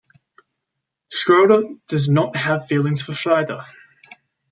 Schroeder does not have feelings for Frieda.